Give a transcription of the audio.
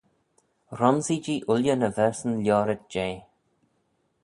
Ronsee-jee ooilley ny verseyn loayrit jeh.